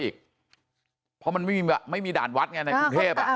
อีกเพราะมันไม่มีด่านวัดไงในกรุงเทพ